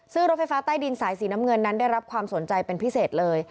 ซึ่งรถไฟฟ้าใต้ดินสายสีน้ำเงินนั้นได้รับความสนใจเป็นพิเศษเลย